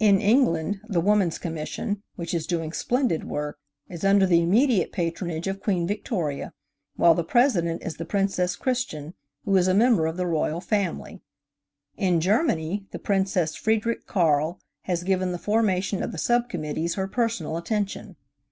In England the Woman's Commission, which is doing splendid work, is under the immediate patronage of Queen Victoria, while the President is the Princess Christian, who is a member of the Royal family. In Germany, the Princess Friedrich Karl has given the formation of the sub committees her personal attention.